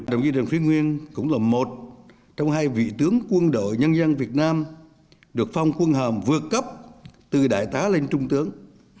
đồng chí trần phú nguyên cũng là một trong hai vị tướng quân đội nhân dân việt nam được phong quân hàm vượt cấp từ đại tá lên trung tướng